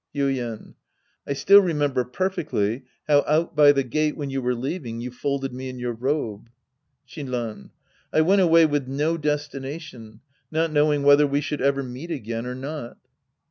Yuien. I still remember perfectly how out by the gate when you were leaving you folded me in your robe. Shinran. I went away with no destination, not knowing whether we should ever meet again or not.